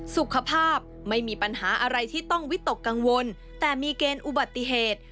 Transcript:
สุขภาพไม่มีปัญหาอะไรที่ต้องวิตกกังวลแต่มีเกณฑ์อุบัติเหตุ